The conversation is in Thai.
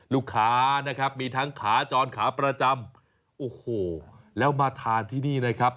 ลูกค้านะครับมีทั้งขาจรขาประจำโอ้โหแล้วมาทานที่นี่นะครับ